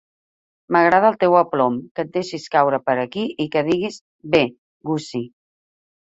M"agrada el teu aplom, que et deixis caure per aquí i que diguis "Bé, Gussie".